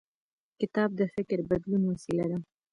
کتاب د فکر بدلون وسیله ده.